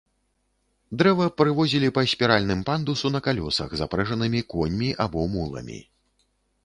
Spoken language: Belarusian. Дрэва прывозілі па спіральным пандусу на калёсах, запрэжанымі коньмі або муламі.